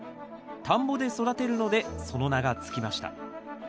田んぼで育てるのでその名が付きました。